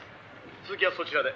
続きはそちらで。